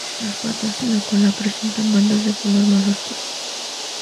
Las patas y la cola presentan bandas de color más oscuro.